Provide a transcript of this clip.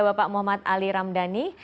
bapak muhammad ali ramdhani